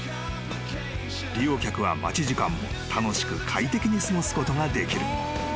［利用客は待ち時間も楽しく快適に過ごすことができる］